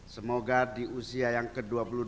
semoga di usia yang ke dua puluh dua